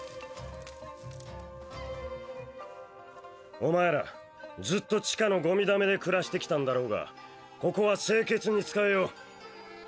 お前らずっと地下のゴミ溜めで暮らしてきたんだろうがここは清潔に使えよ。